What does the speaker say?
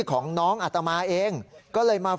พระขู่คนที่เข้าไปคุยกับพระรูปนี้